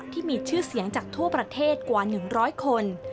ที่มีชื่อเสียงจากทั่วประเทศกว่า๑๐๐คน